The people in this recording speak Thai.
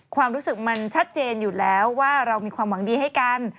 ความรู้สึกมันชัดเจนอยู่แล้วว่าเรามีความหวังดีให้กัน